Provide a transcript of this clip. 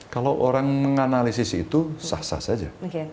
kalau orang menganalisis itu sah sah saja